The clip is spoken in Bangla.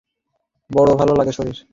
বড় ভালো লাগে শশীর।